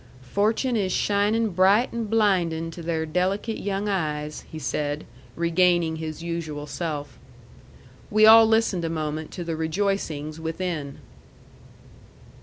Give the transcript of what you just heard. "Fortune is shinin' bright and blindin' to their delicate young eyes," he said, regaining his usual self. We all listened a moment to the rejoicings within.